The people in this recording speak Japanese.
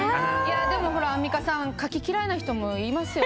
でもアンミカさん牡蠣が嫌いな人もいますよ。